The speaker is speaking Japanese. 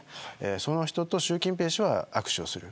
その人と習近平氏は握手をする。